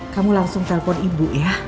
kamu langsung telpon ibu ya